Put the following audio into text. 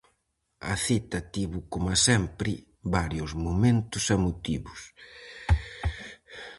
A cita tivo coma sempre varios momentos emotivos.